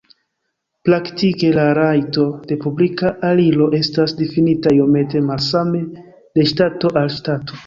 Praktike la rajto de publika aliro estas difinita iomete malsame de ŝtato al ŝtato.